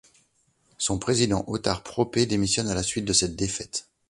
Son président, Óttarr Proppé, démissionne à la suite de cette défaite.